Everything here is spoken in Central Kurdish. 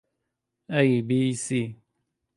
ئەی بی سی